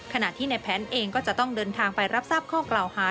ขณะที่ในแผนเองก็จะต้องเดินทางไปรับทราบข้อกล่าวหา